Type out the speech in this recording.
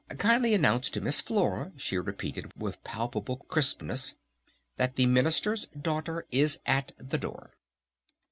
Kindly announce to Miss Flora," she repeated with palpable crispness, "that the Minister's Daughter is at the door!"